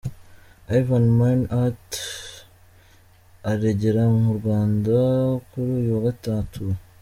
Ivan Minnaert aragera mu Rwanda kuri uyu wa Gatatu.